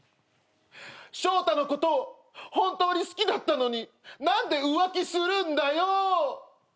本当に好きだったのに何で浮気するんだよ！